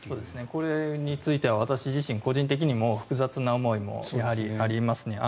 これについては私自身、少し複雑な思いもやはりありますね。